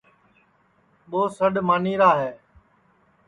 ٻو سڈؔ مانی را ہے